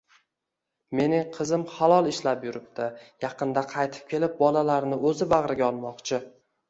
Mening qizim halol ishlab yuribdi, yaqinda qaytib kelib bolalarini o`zi bag`riga olmoqchi